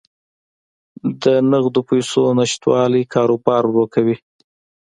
د نقدو پیسو نشتوالی کاروبار ورو کوي.